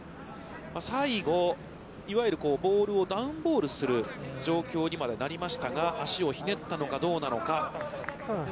最後、いわゆるボールをダウンボールする状況にまでなりましたが、足をひねったのかどうなのか。